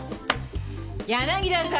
柳田さん